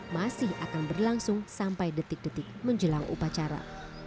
masih akan berlangsung sampai detik detik menjelang upacara